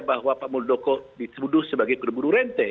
bahwa pak muldoko disuduh sebagai berburu rente